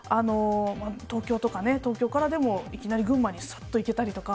東京とかね、東京からでもいきなり群馬にすっと行けたりとか。